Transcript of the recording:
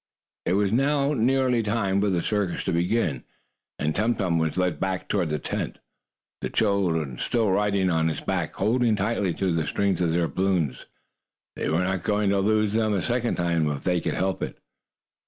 It was now nearly time for the circus to begin, and Tum Tum was led back toward the tent, the children still riding on his back, holding tightly to the strings of their balloons. They were not going to lose them a second time, if they could help it.